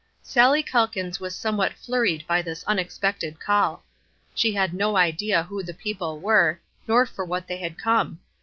Sallie Calkins was somewhat flurried by this unexpected call. She had no idea who the people were, nor for what they had come.